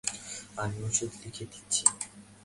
আমি ওষুধ লিখে দিচ্ছি।